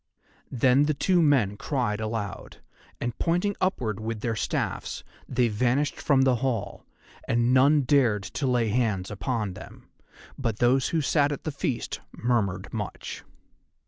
Then the two men cried aloud, and pointing upward with their staffs they vanished from the hall, and none dared to lay hands on them, but those who sat at the feast murmured much.